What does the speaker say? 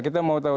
kita mau tahu